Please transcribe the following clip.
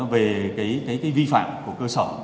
về cái vi phạm của cơ sở